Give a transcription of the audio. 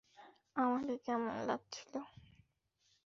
আমাকে কেমন লাগছিল?